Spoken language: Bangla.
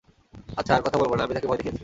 আচ্ছা, আর কথা বলবে না, আমি তাকে ভয় দেখিয়েছি।